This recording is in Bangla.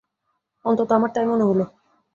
অন্তত আমার তাই মনে হল।